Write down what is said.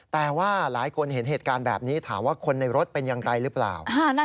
แต่ว่าหลายคนเห็นเหตุการณ์แบบนี้ถามว่าคนในรถเป็นอย่างไรหรือเปล่า